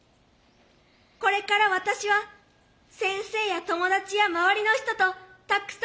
これから私は先生や友達や周りの人とたくさん笑います。